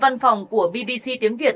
văn phòng của bbc tiếng việt